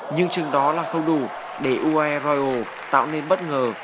nhưng chừng đó là không đủ để ue royal tạo nên bất ngờ